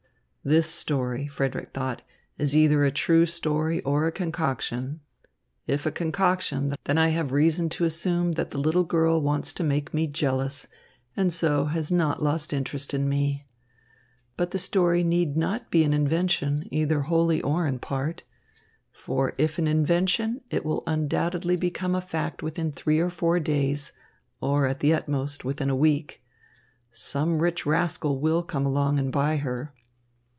"This story," Frederick thought, "is either a true story or a concoction. If a concoction, then I have reason to assume that the little girl wants to make me jealous and so has not lost interest in me. But the story need not be an invention, either wholly or in part. For if an invention, it will undoubtedly become a fact within three or four days, or, at the utmost, within a week. Some rich rascal will come along and buy her."